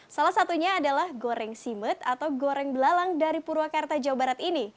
salah satunya adalah goreng simet atau goreng belalang dari purwakarta jawa barat ini